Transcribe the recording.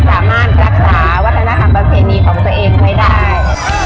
สามารถรักษาวัฒนธรรมประเพณีของตัวเองไว้ได้